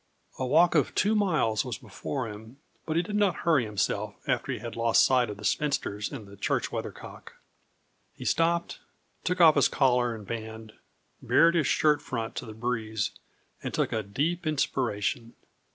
A walk of two miles was before him, but he did not hurry himself after he had lost sight of the spinsters and the church weathercock. He stopped, took off his collar and band, bared his shirt front to the breeze, and took a deep inspiration.